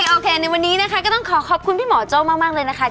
โอเคในวันนี้นะคะก็ต้องขอขอบคุณพี่หมอโจ้มากเลยนะคะ